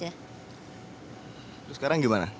terus sekarang gimana